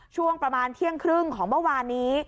ช่วงประมาณเที่ยงครึ่งของเมื่อวานนี้